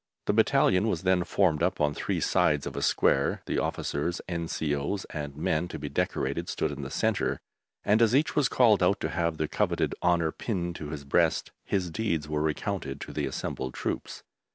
The battalion was then formed up on three sides of a square; the officers, N.C.O.s, and men to be decorated stood in the centre, and as each was called out to have the coveted honour pinned to his breast, his deeds were recounted to the assembled troops.